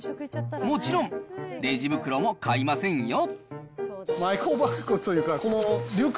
もちろん、レジ袋も買いませんよ。